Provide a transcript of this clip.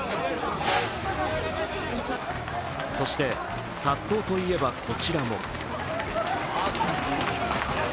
そして殺到といえばこちらも。